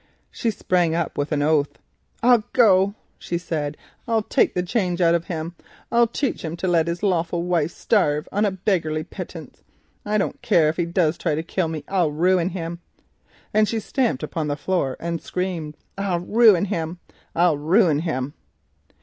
She sprung up with an oath. "I'll go," she said. "I'll take the change out of him; I'll teach him to let his lawful wife starve on a beggarly pittance. I don't care if he does try to kill me. I'll ruin him," and she stamped upon the floor and screamed, "I'll ruin him, I'll ruin him!"